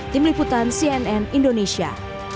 tim liputan cnn indonesia